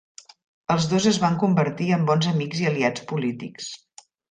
Els dos es van convertir en bons amics i aliats polítics.